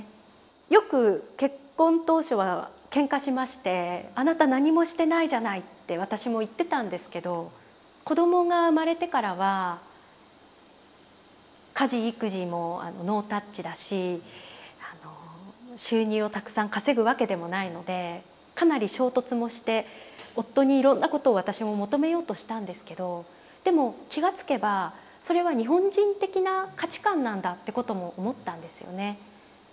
よく結婚当初はけんかしまして「あなた何もしてないじゃない」って私も言ってたんですけど子供が生まれてからは家事育児もノータッチだし収入をたくさん稼ぐわけでもないのでかなり衝突もして夫にいろんなことを私も求めようとしたんですけどでも気が付けばそれは日本人的な価値観なんだということも思ったんですよね。